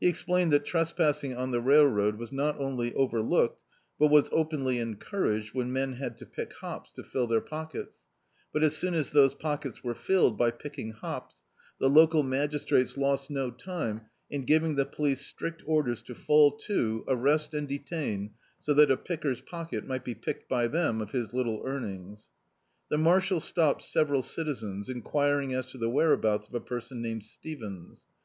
He ex plained that trespassing on the railroad was not only overlooked, but was openly encouraged when men had to pick hops to fill their pockets; but as soon as those pockets were filled by picking hops, the local magistrates lost no time in ^ving the police strict orders to fall to, arrest and detain, so riiat a picker's pocket mi^t be picked by them of his little earnings. The marshal stopped several citizens, enquiring as to the whereabouts of a person named Stevens.